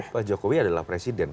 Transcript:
pak jokowi adalah presiden